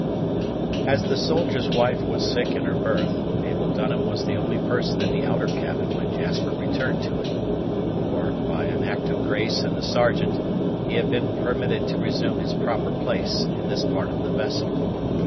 As the soldier's wife was sick in her berth, Mabel Dunham was the only person in the outer cabin when Jasper returned to it; for, by an act of grace in the Sergeant, he had been permitted to resume his proper place in this part of the vessel.